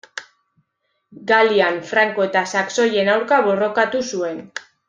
Galian, franko eta saxoien aurka borrokatu zuen.